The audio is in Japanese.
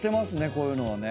こういうのはね。